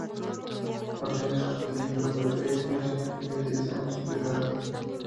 Al final del libro Beatrice menciona que tiene diez años de edad.